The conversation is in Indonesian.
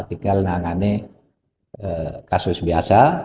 tinggal nangani kasus biasa